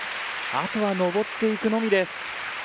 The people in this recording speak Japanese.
あとは上っていくのみです